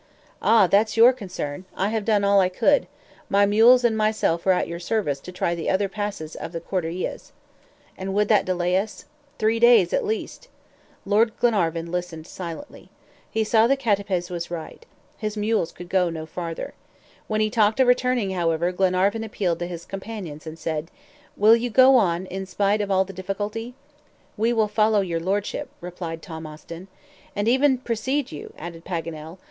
"Ah, that's your concern; I have done all I could. My mules and myself are at your service to try the other passes of the Cordilleras." "And that would delay us?" "Three days at least." Glenarvan listened silently. He saw the CATAPEZ was right. His mules could not go farther. When he talked of returning, however, Glenarvan appealed to his companions and said: "Will you go on in spite of all the difficulty?" "We will follow your Lordship," replied Tom Austin. "And even precede you," added Paganel.